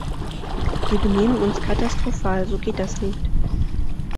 Wir benehmen uns katastrophal, so geht das nicht.